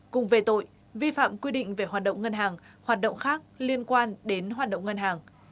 cùng về tội vi phạm quy định về hoạt động ngân hàng hoạt động khác liên quan đến hoạt động ngân hàng